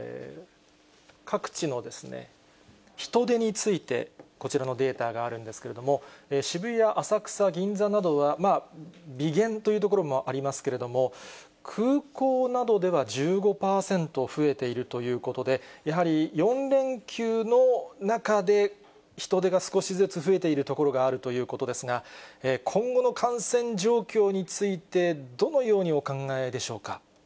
各地の人出について、こちらのデータがあるんですけれども、渋谷、浅草、銀座などは微減という所もありますけれども、空港などでは１５％増えているということで、やはり４連休の中で、人出が少しずつ増えている所があるということですが、今後の感染状況について、どのようにお考えでしょうか。